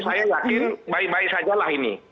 saya yakin baik baik saja lah ini